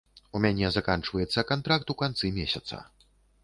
У мяне заканчваецца кантракт у канцы месяца.